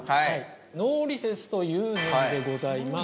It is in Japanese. ノーリセスというネジでございます。